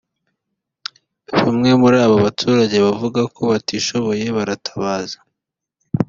Bamwe muri aba baturage bavuga ko batishoboye baratabaza